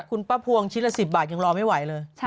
คุณป้าพวงชิ้นละ๑๐บาทยังรอไม่ไหวเลย